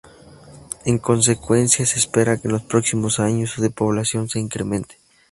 En consecuencia, se espera que en los próximos años su despoblación se incremente.